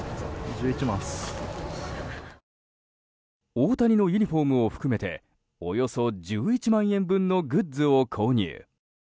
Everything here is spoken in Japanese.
大谷のユニホームを含めておよそ１１万円分のグッズを購入。